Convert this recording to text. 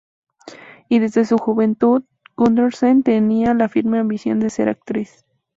Ya desde su juventud, Gundersen tenía la firme ambición de ser actriz.